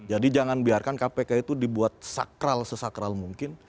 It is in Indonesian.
jadi jangan biarkan kpk itu dibuat sakral sesakral mungkin